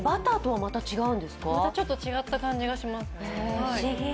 またちょっと違った感じがします。